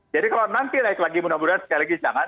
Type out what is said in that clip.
jadi kalau nanti naik lagi mudah mudahan sekali lagi jangan